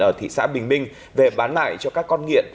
ở thị xã bình minh về bán lại cho các con nghiện